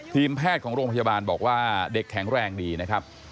ทีมแพทย์ของโรงพยาบาลบอกว่าเด็กแข็งแรงดีนะครับ